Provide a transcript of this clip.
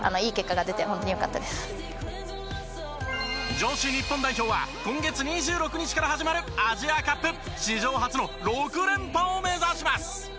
女子日本代表は今月２６日から始まるアジアカップ史上初の６連覇を目指します！